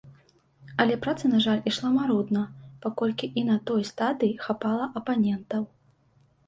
Але праца, на жаль, ішла марудна, паколькі і на той стадыі хапала апанентаў.